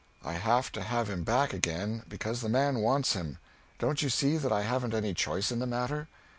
I have to have him back again because the man wants him; don't you see that I haven't any choice in the matter?